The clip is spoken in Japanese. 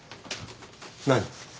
何？